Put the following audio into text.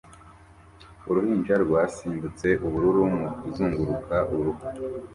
Uruhinja rwasimbutse ubururu mu kuzunguruka uruhu